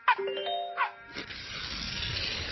Film do kin přinesla Asociace slovenských filmových klubů.